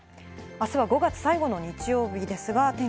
あすは５月最後の日曜日です